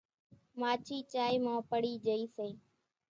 ماڇِي چائيَ مان پڙِي جھئِي سي۔